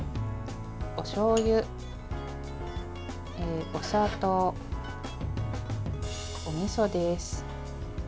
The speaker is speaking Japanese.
おしょうゆ、お砂糖、おみそです。